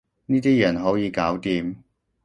呢啲人好易搞掂